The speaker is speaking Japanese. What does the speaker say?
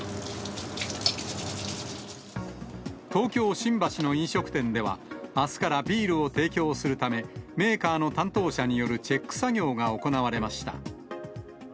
東京・新橋の飲食店では、あすからビールを提供するため、メーカーの担当者によるチェック作業が行われました。